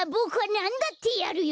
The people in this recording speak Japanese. なんだってやるよ！